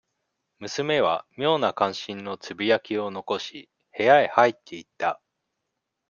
娘は、妙な関心のつぶやきを残し、部屋へ入っていった。